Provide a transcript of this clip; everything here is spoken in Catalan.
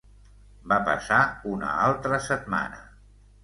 Va passar una altra setmana.